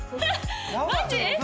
マジ？